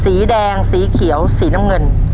สีแดงสีเขียวสีน้ำเงิน